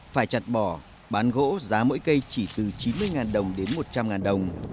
phải chặt bỏ bán gỗ giá mỗi cây chỉ từ chín mươi đồng đến một trăm linh đồng